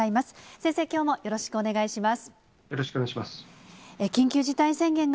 先生、きょうもよろしくお願いします。